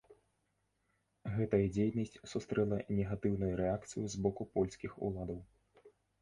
Гэтая дзейнасць сустрэла негатыўную рэакцыю з боку польскіх уладаў.